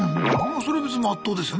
それ別にまっとうですよね。